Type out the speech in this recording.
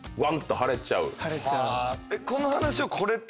腫れちゃう。